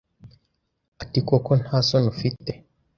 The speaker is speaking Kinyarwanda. ati koko nta soni ufite